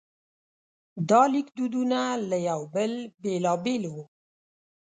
دا لیکدودونه له یو بل بېلابېل وو.